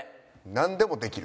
なんでもできる。